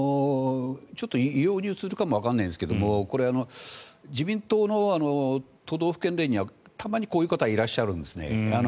ちょっと異様に映るかもわからないんですがこれ、自民党の都道府県連にはたまにこういう方がいらっしゃるんですね。